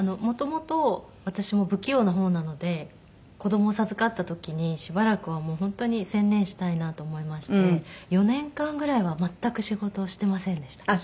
元々私も不器用な方なので子供を授かった時にしばらくはもう本当に専念したいなと思いまして４年間ぐらいは全く仕事をしてませんでした。